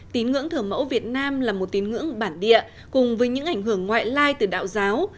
tín ngưỡng thờ mẫu việt nam là một tín ngưỡng bản địa cùng với những ảnh hưởng ngoại lai từ đạo giáo